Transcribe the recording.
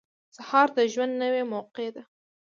• سهار د ژوند نوې موقع ده.